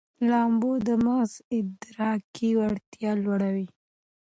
لامبو د مغز ادراکي وړتیاوې لوړوي.